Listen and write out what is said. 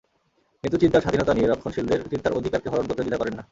কিন্তু চিন্তার স্বাধীনতা নিয়ে রক্ষণশীলদের চিন্তার অধিকারকে হরণ করতে দ্বিধা করেন না।